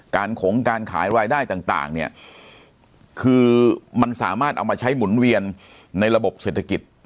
ขงการขายรายได้ต่างเนี่ยคือมันสามารถเอามาใช้หมุนเวียนในระบบเศรษฐกิจ